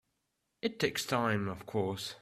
It takes time of course.